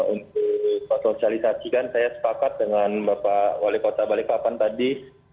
untuk sosialisasikan saya sepakat dengan bapak wali kota balikpapan tadi